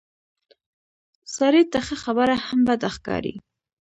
سارې ته ښه خبره هم بده ښکاري.